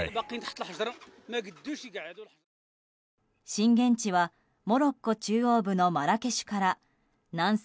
震源地はモロッコ中央部のマラケシュから南西